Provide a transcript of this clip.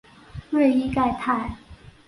瑞伊盖泰。